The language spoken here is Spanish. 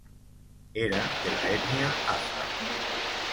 Era de la etnia afar.